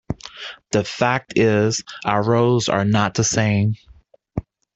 The fact is, our roads are not the same.